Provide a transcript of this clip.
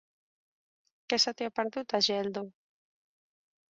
Què se t'hi ha perdut, a Geldo?